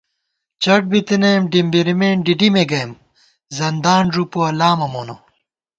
چٹ بِتَنَئیم، ڈِمبِرِمېن ڈِڈِمےگَئیم ، زندان ݫُپُوَہ لامہ مونہ